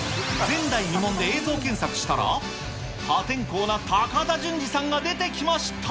前代未聞で映像検索したら、破天荒な高田純次さんが出てきました。